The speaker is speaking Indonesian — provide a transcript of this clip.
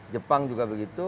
jepang juga begitu